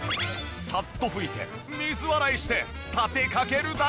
サッと拭いて水洗いして立てかけるだけ。